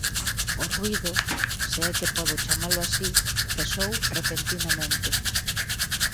O ruído, se é que podo chamalo así, cesou repentinamente.